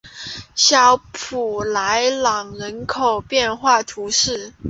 小普莱朗人口变化图示